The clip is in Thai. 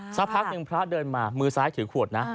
สักพักหนึ่งพระเดินมามือซ้ายถือขวดนะ